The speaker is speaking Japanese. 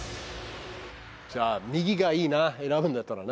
じゃあ右がいいな選ぶんだったらね。